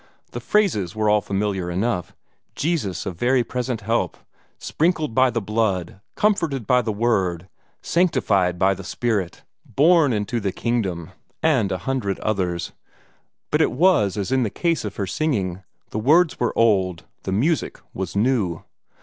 The phrases were all familiar enough "Jesus a very present help," "Sprinkled by the Blood," "Comforted by the Word," "Sanctified by the Spirit," "Born into the Kingdom," and a hundred others but it was as in the case of her singing: the words were old; the music was new.